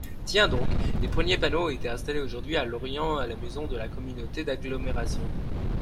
tiens donc, les premiers panneaux ont été installés aujourd'hui à Lorient à la maison de la Communauté d'agglomération.